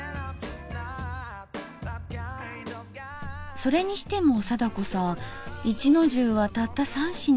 それにしても貞子さん一の重はたった３品。